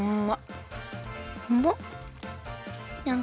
うん！